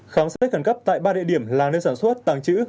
khám xét khẩn cấp tại ba địa điểm là nơi sản xuất tàng trữ